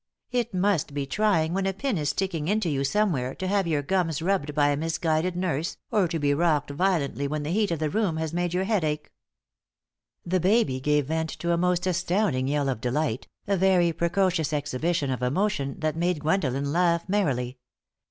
It must be trying when a pin is sticking into you somewhere to have your gums rubbed by a misguided nurse, or to be rocked violently when the heat of the room has made your head ache." The baby gave vent to a most astounding yell of delight, a very precocious exhibition of emotion that made Gwendolen laugh merrily.